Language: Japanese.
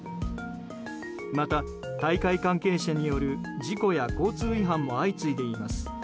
また、大会関係者による事故や交通違反も相次いでいます。